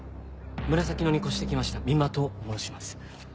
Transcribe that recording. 紫野に越してきました三馬と申します。